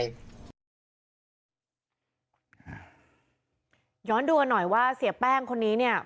ย้อนดูกันหน่อยว่าเสียแป้งคนนี้เนี่ย